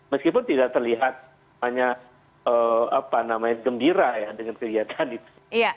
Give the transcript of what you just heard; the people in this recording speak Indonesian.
meskipun tidak terlihat hanya apa namanya gembira ya dengan kelihatan itu